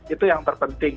itu yang terpenting